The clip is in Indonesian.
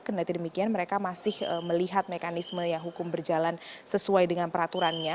kenaikian mereka masih melihat mekanisme yang hukum berjalan sesuai dengan peraturannya